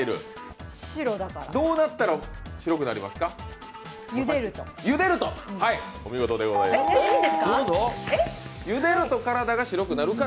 どうなったら白くなりますか？